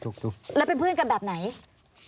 ปีอาทิตย์ห้ามีสปีอาทิตย์ห้ามีส